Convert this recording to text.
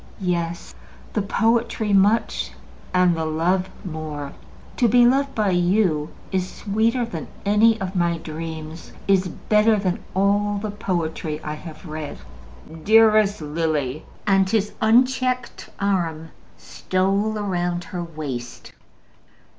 "Yes. The poetry much, and the love more. To be loved by you is sweeter even than any of my dreams, is better than all the poetry I have read." "Dearest Lily," and his unchecked arm stole round her waist.